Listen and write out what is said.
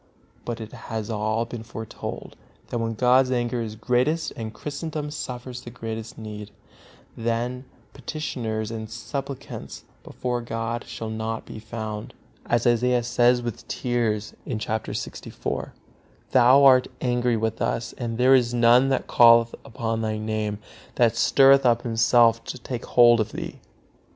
But it has all been foretold, that when God's anger is greatest and Christendom suffers the greatest need, then petitioners and supplicants before God shall not be found, as Isaiah says with tears, chapter lxiv: "Thou art angry with us, and there is none that calleth upon Thy Name, that stirreth up himself to take hold of Thee."